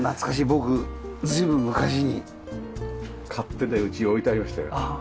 僕随分昔に買ってねうちに置いてありましたよ。